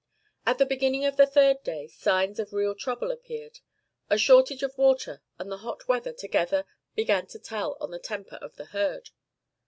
At the beginning of the third day signs of real trouble appeared. A shortage of water and the hot weather together began to tell on the temper of the herd.